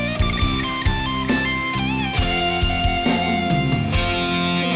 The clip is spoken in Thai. ก็พอแก้เลย